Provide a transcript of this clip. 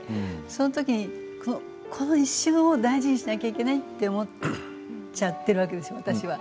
その時にこの一瞬を大事にしなきゃいけないと思っちゃってるわけですよ、私は。